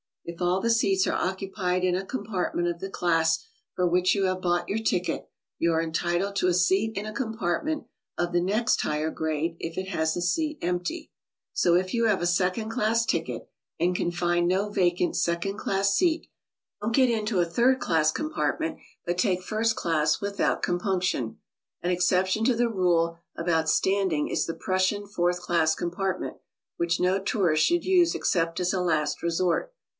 If all the seats are occupied in a compartment of the class for which you have bought your ticket, you are entitled to a seat in a compartment of the next higher grade if it has a seat empty. So if you have a second class ticket and can find no vacant second class seat, don't get into a third class compartment, but take first class without com punction. An exception to the rule about standing is the Prussian fourth class compartment, which no tourist should use except as a last resort.